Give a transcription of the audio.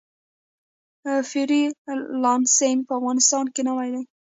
فری لانسینګ په افغانستان کې نوی دی